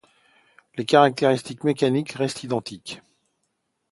Les caractéristiques mécaniques restent identiques.